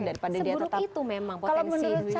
seburuk itu memang potensi hidup di desa